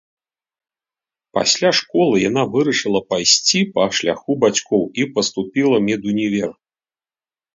Пасля школы яна вырашыла пайсці па шляху бацькоў і паступіла ў медунівер.